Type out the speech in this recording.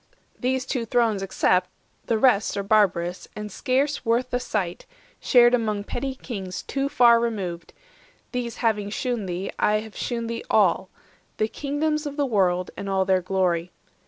These two thrones except, The rest are barbarous, and scarce worth the sight, Shared among petty kings too far removed; These having shewn thee, I have shewn thee all The kingdoms of the world, and all their glory.